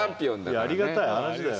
いやありがたい話だよ。